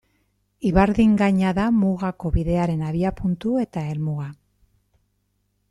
Ibardin gaina da Mugako Bidearen abiapuntu eta helmuga.